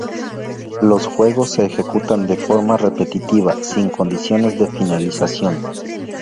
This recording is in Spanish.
Los juegos se ejecutan de forma repetitiva sin condiciones de finalización.